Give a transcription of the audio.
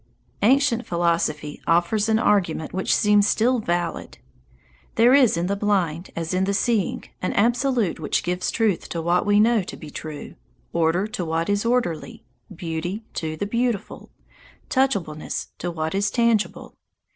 Ancient philosophy offers an argument which seems still valid. There is in the blind as in the seeing an Absolute which gives truth to what we know to be true, order to what is orderly, beauty to the beautiful, touchableness to what is tangible.